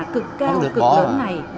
cực cao cực lớn này